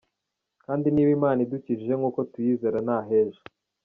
Kandi niba Imana idukijije nk’uko tuyizera ni ah’ejo.